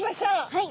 はい。